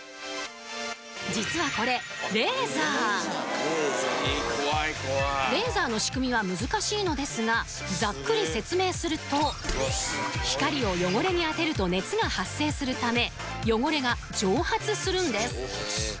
実はこれレーザーのざっくり説明すると光を汚れに当てると熱が発生するため汚れが蒸発するんです